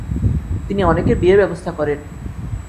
তিনি অনেকের বিয়ের ব্যবস্থা করেন।